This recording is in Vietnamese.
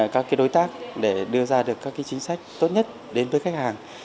các đối tác để đưa ra được các chính sách tốt nhất đến với khách hàng